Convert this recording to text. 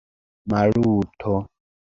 Maluto!